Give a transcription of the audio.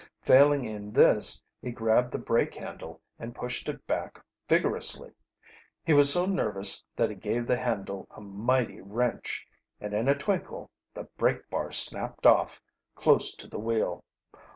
Failing in this He grabbed the brake handle and pushed it back vigorously. He was so nervous that he gave the handle a mighty wrench, and in a twinkle the brake bar snapped off, close to the wheel.